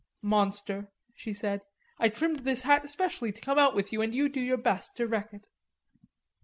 "Monster," she said, "I trimmed this hat specially to come out with you and you do your best to wreck it."